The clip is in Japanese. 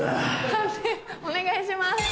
判定お願いします。